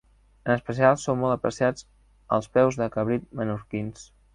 En especial són molt apreciats els peus de cabrit menorquins.